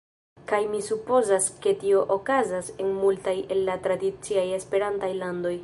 Kaj mi supozas ke tio okazas en multaj el la tradiciaj Esperantaj landoj.